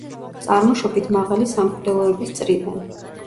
წარმოშობით მაღალი სამღვდელოების წრიდან.